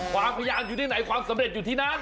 ความพยายามอยู่ที่ไหนความสำเร็จอยู่ที่นั้น